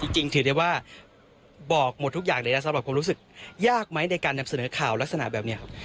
จริงถือได้ว่าบอกหมดทุกอย่างเลยนะสำหรับความรู้สึกยากไหมในการนำเสนอข่าวลักษณะแบบนี้ครับ